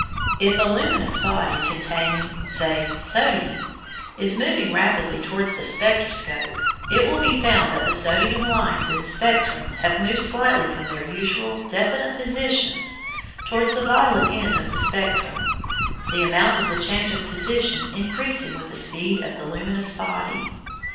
If a luminous body containing, say, sodium is moving rapidly towards the spectroscope, it will be found that the sodium lines in the spectrum have moved slightly from their usual definite positions towards the violet end of the spectrum, the amount of the change of position increasing with the speed of the luminous body.